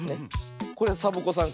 これサボ子さん